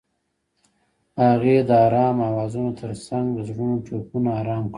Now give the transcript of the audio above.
هغې د آرام اوازونو ترڅنګ د زړونو ټپونه آرام کړل.